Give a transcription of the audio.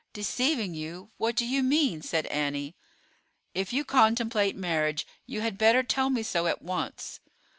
"Deceiving you? What do you mean?" said Annie. "If you contemplate marriage you had better tell me so at once."